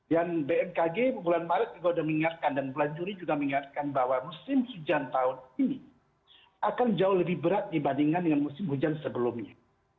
dan bmkg bulan maret juga sudah mengingatkan dan pelajuri juga mengingatkan bahwa musim hujan tahun ini akan jauh lebih berat dibandingkan dengan musim hujan sebelumnya